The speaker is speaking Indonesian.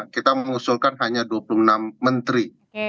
kita mengusulkan hanya dua puluh enam menteri